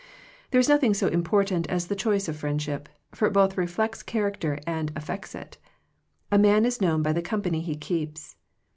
There is nothing so important as the choice of friendship; for it both reflects character and affects it. A man is known by the company he keeps.